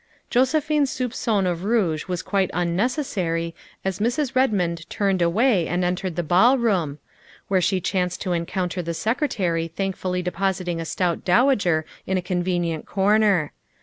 Josephine's soupcon of rouge was quite unnecessary as Mrs. Redmond turned away and entered the ballroom, where she chanced to encounter the Secretary thank fully depositing a stout dowager in a convenient corner.